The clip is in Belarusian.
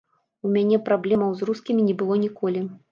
У мяне праблемаў з рускімі не было ніколі.